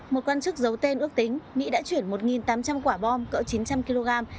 một quan chức giấu tên ước tính mỹ đã chuyển một tám trăm linh quả bom cỡ chín trăm linh kg